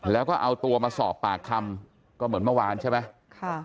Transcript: แล้วก็เอาตัวมาสอบปากคำก็เหมือนเมื่อวานใช่ไหม